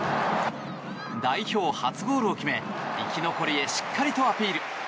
代表初ゴールを決め生き残りへしっかりとアピール。